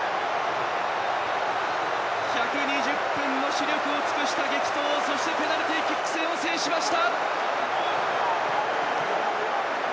１２０分の死力を尽くした激闘そしてペナルティーキック戦を制しました！